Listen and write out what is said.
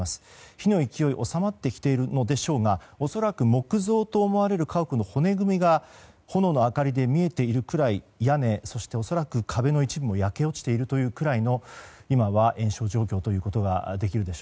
火の勢いは収まってきているのでしょうがおそらく木造と思われる家屋の骨組みが、炎の明かりで見えているくらい屋根、そして恐らく壁の一部も焼け落ちているというくらいの今は延焼状況ということが見て取れます。